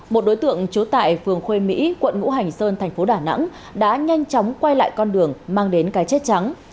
một đối tượng trú tại phường khuê mỹ quận ngũ hành sơn thành phố đà nẵng đã nhanh chóng quay lại con đường mang đến cái chết trắng